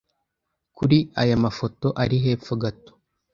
kuri aya mafoto ari hepfo gato!